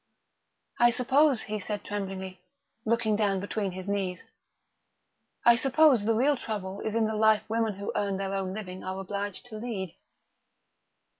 "I suppose," he said tremblingly, looking down between his knees, "I suppose the real trouble is in the life women who earn their own living are obliged to lead."